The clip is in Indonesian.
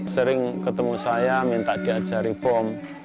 sering ketemu saya minta diajari bom